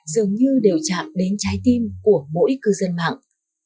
dường như đều chạm đến trái tim của mỗi cư dân mạng